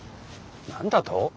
何だと？